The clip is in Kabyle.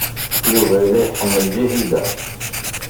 Yuba yella iḥemmel Ǧahida.